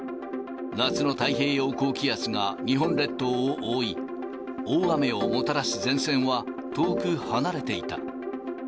夏の太平洋高気圧が日本列島を覆い、大雨をもたらす前線は遠く離れていた。